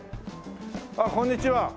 あっこんにちは。